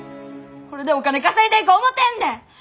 これでお金稼いでいこう思てんねん！